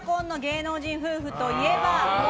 年の差婚の芸能人夫婦といえば？